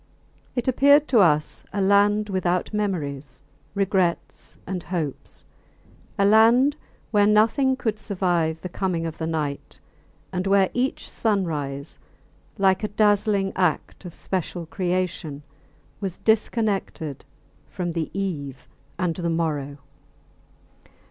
It appeared to us a land without memories, regrets, and hopes; a land where nothing could survive the coming of the night, and where each sunrise, like a dazzling act of special creation, was disconnected from the eve and the morrow.